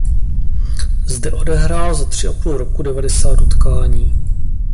Zde odehrál za tři a půl roku devadesát utkání.